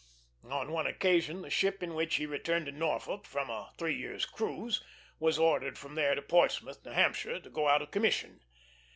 On one occasion the ship in which he returned to Norfolk from a three years' cruise was ordered from there to Portsmouth, New Hampshire, to go out of commission.